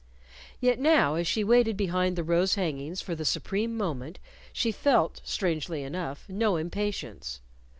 Yet now as she waited behind the rose hangings for the supreme moment, she felt, strangely enough, no impatience.